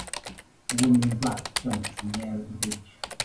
a woman in black jumps in the air at the beach.